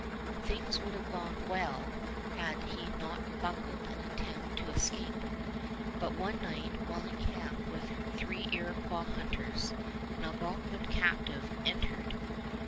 Things would have gone well had he not bungled an attempt to escape; but one night, while in camp with three Iroquois hunters, an Algonquin captive entered.